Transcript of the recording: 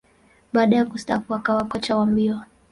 Baada ya kustaafu, akawa kocha wa mbio.